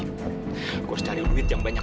aku harus cari uduit yang banyak